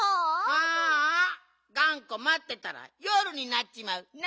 ああがんこまってたらよるになっちまうな。